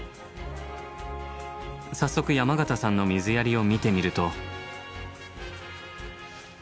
早速山方さんの水やりを見てみると。